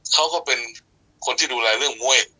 เขาก็เป็นคนที่ดูแลเรื่องมวย